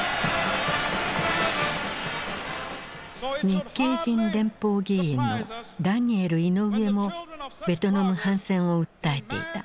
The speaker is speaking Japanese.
日系人連邦議員のダニエル・イノウエもベトナム反戦を訴えていた。